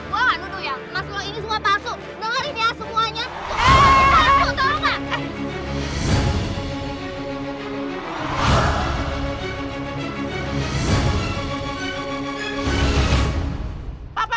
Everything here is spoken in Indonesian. gue enggak nuduh ya emas lo ini semua palsu dengarin ya semuanya tolong mbak